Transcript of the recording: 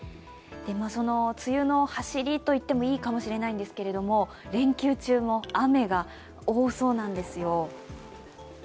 その梅雨のはしりといってもいいかもしれないんですけど、連休中も雨が多そうなんですよ。